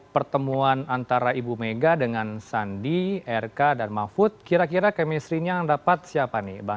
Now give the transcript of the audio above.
pertemuan antara ibu mega dengan sandi rk dan mahfud kira kira kemistrinya yang dapat siapa nih